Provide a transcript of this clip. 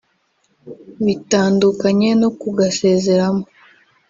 bitandukanye no kugasezeramo